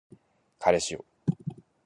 彼氏よ